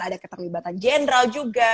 ada keterlibatan jenderal juga